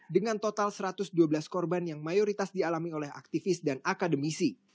dengan total satu ratus dua belas korban yang mayoritas dialami oleh aktivis dan akademisi